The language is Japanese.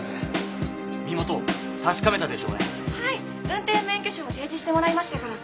運転免許証を提示してもらいましたから。